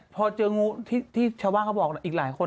พอเจองูที่ชาวบ้านเขาบอกอีกหลายคน